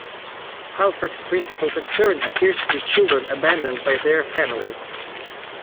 Halfrek's principal concern appears to be children abandoned by their families.